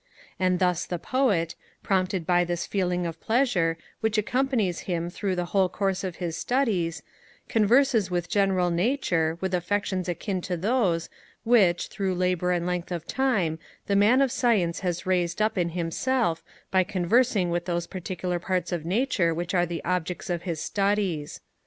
And thus the Poet, prompted by this feeling of pleasure, which accompanies him through the whole course of his studies, converses with general nature, with affections akin to those, which, through labour and length of time, the Man of science has raised up in himself, by conversing with those particular parts of nature which are the objects of his studies.